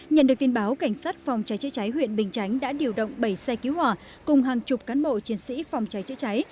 nhận được tin báo cảnh sát phòng cháy chữa cháy huyện bình chánh đã điều động bảy xe cứu hỏa cùng hàng chục cán bộ chiến sĩ phòng cháy chữa cháy